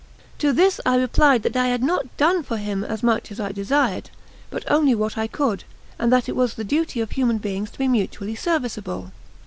To this I replied that I had not done for him as much as I desired, but only what I could, and that it was the duty of human beings to be mutually serviceable.